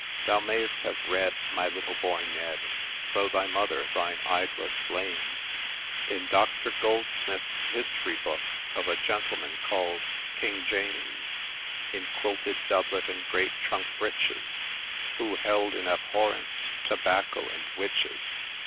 Thou mayest have read, my little boy Ned, Though thy mother thine idlesse blames, In Doctor Goldsmith's history book, Of a gentleman called King James, In quilted doublet, and great trunk breeches, Who held in abhorrence Tobacco and Witches.